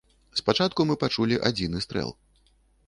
Спачатку мы пачулі адзіны стрэл.